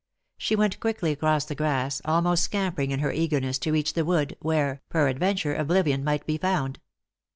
She went quickly across the grass, almost scampering in her eagerness to reach the wood, where, peradventure, oblivion might be found.